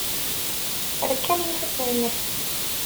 Rkan yifassen-nnek.